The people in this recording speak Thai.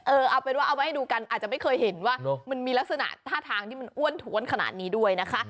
เอาเป็นว่าเอาไว้ให้ดูกันอาจจะไม่เคยเห็นว่ามันมีลักษณะท่าทางที่มันอ้วนท้วนขนาดนี้ด้วยนะคะ